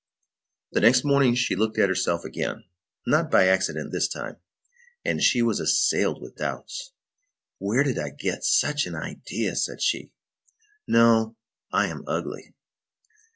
The next morning she looked at herself again, not by accident this time, and she was assailed with doubts: "Where did I get such an idea?" said she; "no, I am ugly."